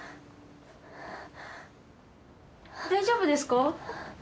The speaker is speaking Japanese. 大丈夫ですか？